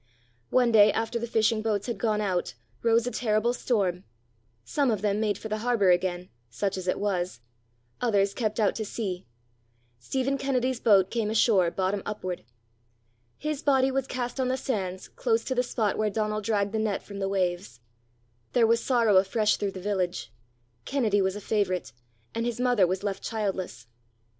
One day after the fishing boats had gone out, rose a terrible storm. Some of them made for the harbour again such as it was; others kept out to sea; Stephen Kennedy's boat came ashore bottom upward. His body was cast on the sands close to the spot where Donal dragged the net from the waves. There was sorrow afresh through the village: Kennedy was a favourite; and his mother was left childless.